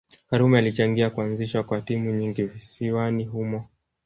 Karume alichangia kuazishwa kwa timu nyingi visiwani humo